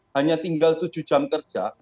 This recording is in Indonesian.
hanya tinggal tujuh jam kerja